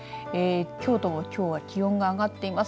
京都もきょうは気温が上がっています。